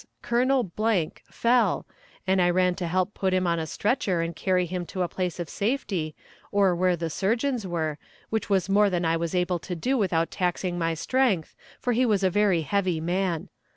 Colonel fell, and I ran to help put him on a stretcher and carry him to a place of safety, or where the surgeons were, which was more than I was able to do without overtaxing my strength, for he was a very heavy man.